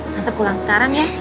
tante pulang sekarang ya